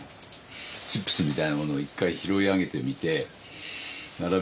チップスみたいなものを一回拾い上げてみて並べてみて。